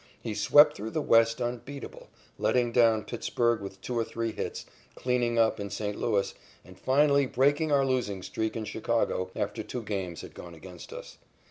He swept through the West unbeatable, letting down Pittsburg with two or three hits, cleaning up in St. Louis, and finally breaking our losing streak in Chicago after two games had gone against us.